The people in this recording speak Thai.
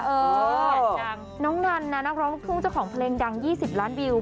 เอออยากจำน้องนั้นน่ะนักร้องลูกทุ่งเจ้าของเพลงดังยี่สิบล้านวิว